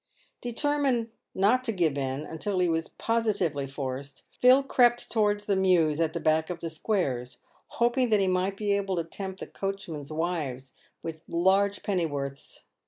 Determined not to give in until he was positively forced, Phil crept towards the mews at the back of the squares, hoping that he might be able to tempt the coachmen's wives with large pennyworths.